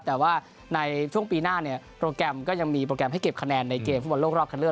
แต่ว่าในช่วงปีหน้าเนี่ยโปรแกรมก็ยังมีโปรแกรมให้เก็บคะแนนในเกมฟุตบอลโลกรอบคันเลือก